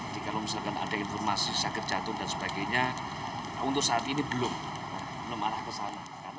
jadi kalau misalkan ada informasi sakit jatuh dan sebagainya untuk saat ini belum belum alah kesalahan